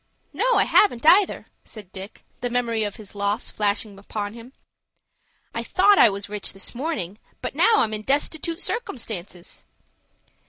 No, I haven't, either," said Dick, the memory of his loss flashing upon him. "I thought I was rich this morning, but now I'm in destitoot circumstances."